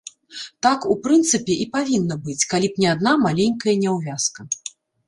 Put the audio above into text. Так, у прынцыпе, і павінна быць, калі б не адна маленькая няўвязка.